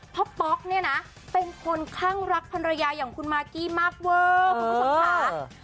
ป๊อกเนี่ยนะเป็นคนคลั่งรักภรรยาอย่างคุณมากกี้มากเวอร์คุณผู้ชมค่ะ